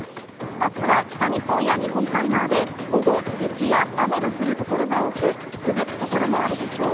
あすは北日本や日本海側で、午後、雪や雨の降る所が多く、ふぶく所もあるでしょう。